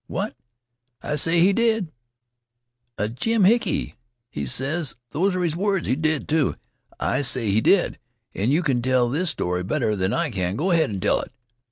What? I say he did. 'A jim hickey,' he ses those 'r his words. He did, too. I say he did. If you kin tell this story better than I kin, go ahead an' tell it.